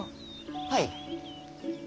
はい？